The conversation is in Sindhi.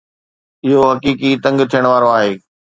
اهو حقيقي تنگ ٿيڻ وارو آهي